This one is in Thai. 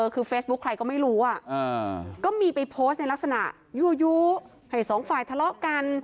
คือเฟซบุ๊คใครก็ไม่รู้ก็มีไปโพสต์ในลักษณะยั่วยู้ให้สองฝ่ายทะเลาะกัน